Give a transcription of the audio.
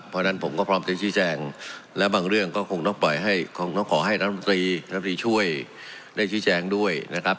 เพราะฉะนั้นผมก็พร้อมได้ชี้แจงและบางเรื่องก็คงต้องขอให้น้ำตีช่วยได้ชี้แจงด้วยนะครับ